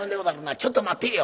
ちょっと待ってぇよ」。